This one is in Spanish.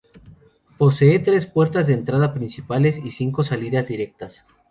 Posee tres puertas de entrada principales y cinco salidas directas.